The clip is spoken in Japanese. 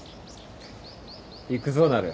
行くぞなる。